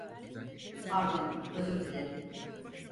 Pardon, özür dilerim.